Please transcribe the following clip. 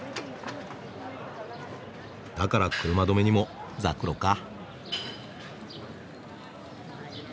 だから車止めにもザクロか。